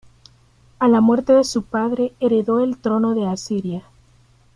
A la muerte de su padre heredó el trono de Asiria.